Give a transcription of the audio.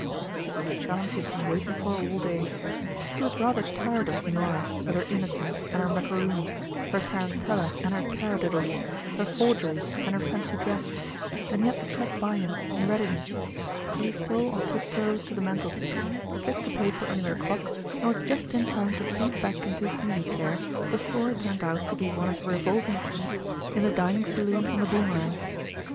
It was a chance he had been waiting for all day. He was rather tired of Nora, with her innocence and her macaroons, her tarantella and her taradiddles, her forgery and her fancy dress, and he had the cheque by him in readi ness ; so he stole on tiptoe to the mantelpiece, slipped the paper under the clock, and was just in time to sink back into his easy chair before it turned out to be one of the revolving seats in the dining saloon on the Boomerang.